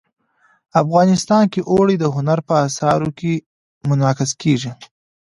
افغانستان کې اوړي د هنر په اثار کې منعکس کېږي.